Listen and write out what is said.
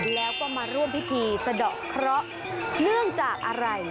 แล้วก็มาร่วมพิธีสะดอกเคราะห์เนื่องจากอะไร